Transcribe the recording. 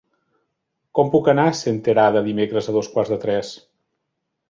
Com puc anar a Senterada dimecres a dos quarts de tres?